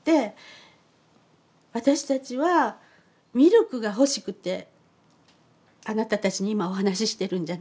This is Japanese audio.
私たちはミルクが欲しくてあなたたちに今お話してるんじゃないです。